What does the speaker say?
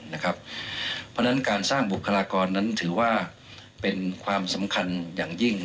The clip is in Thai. เพราะฉะนั้นการสร้างบุคลากรนั้นถือว่าเป็นความสำคัญอย่างยิ่ง